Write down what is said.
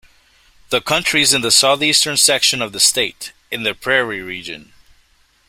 The county is in the southeastern section of the state, in the prairie region.